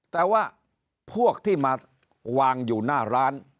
แต่ว่าพวกที่มาวางอยู่หน้าร้าน